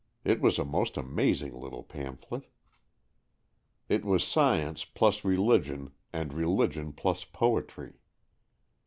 It was a most amaz ing little pamphlet. It was Science plus Religion, and Religion plus Poetry.